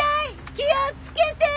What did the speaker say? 気を付けて！